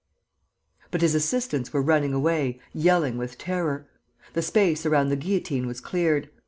But his assistants were running away, yelling with terror. The space around the guillotine was cleared.